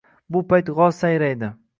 Shu payt g‘oz sayraydi.